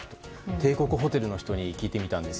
帝国ホテルの人に聞いてみたんです。